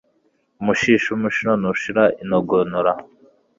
umushishi w'umushino ntushira inogonora